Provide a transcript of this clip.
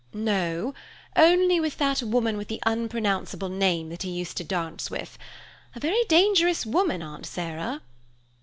"No, only with that woman with the unpronounceable name that he used to dance with; a very dangerous woman, Aunt Sarah."